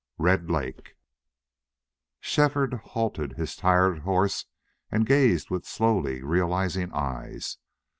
RED LAKE Shefford halted his tired horse and gazed with slowly realizing eyes.